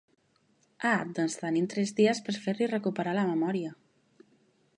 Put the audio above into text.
Ah, doncs tenim tres dies per fer-li recuperar la memòria.